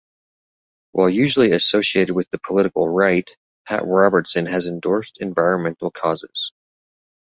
While usually associated with the political right, Pat Robertson has endorsed environmental causes.